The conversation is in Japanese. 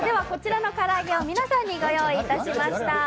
こちらの唐揚げを皆さんにご用意しました。